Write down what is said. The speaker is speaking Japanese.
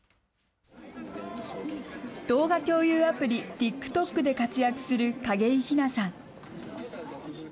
動画共有アプリ、ＴｉｋＴｏｋで活躍する景井ひなさん。